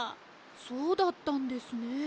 そうだったんですね。